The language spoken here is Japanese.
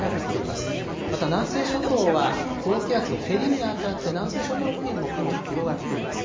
また、南西諸島は高気圧のへりに当たって南西諸島付近も雲が広がっています。